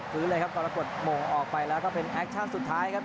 ปรากฏโมงออกไปแล้วก็เป็นแอคชั่นสุดท้ายครับ